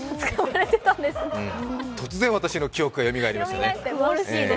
突然、私の記憶がよみがえりましたね。